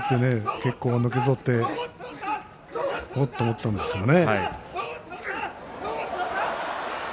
結構、のけぞってねおっと思ったんですけどね。